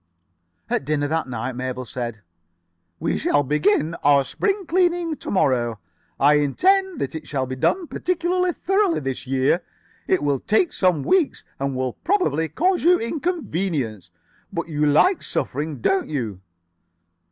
At dinner that night, Mabel said: "We shall begin our spring cleaning to morrow. I intend that it shall be done particularly thoroughly this year. It will take some weeks and will probably cause you inconvenience. But you like suffering, don't you?"